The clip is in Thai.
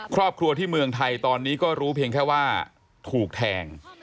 ครอบครัวที่เมืองไทยตอนนี้ก็รู้เพียงแค่ว่าถูกแทง